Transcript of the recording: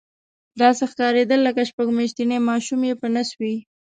داسې ښکارېدل لکه شپږ میاشتنی ماشوم یې په نس وي.